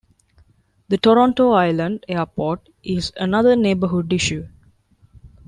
The Toronto Island Airport is another neighbourhood issue.